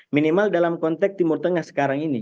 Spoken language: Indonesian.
minimal dalam konteks timur tengah sekarang ini